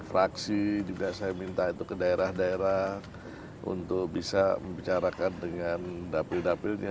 fraksi juga saya minta itu ke daerah daerah untuk bisa membicarakan dengan dapil dapilnya